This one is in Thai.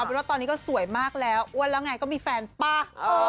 เป็นว่าตอนนี้ก็สวยมากแล้วอ้วนแล้วไงก็มีแฟนป่ะ